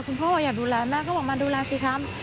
พ่ออยากดูแลแม่ก็บอกมาดูแลสิครับ